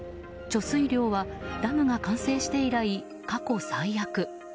貯水量はダムが完成して以来過去最悪。